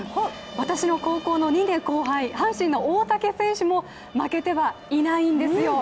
私の高校の２年後輩阪神の大竹選手も負けてはいないんですよ。